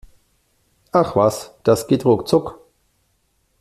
Ach was, das geht ruckzuck!